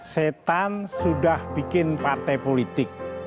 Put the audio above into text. setan sudah bikin partai politik